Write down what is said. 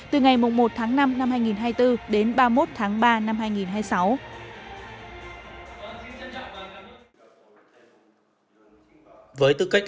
từ ngày một tháng năm năm hai nghìn hai mươi bốn đến ba mươi một tháng ba năm hai nghìn hai mươi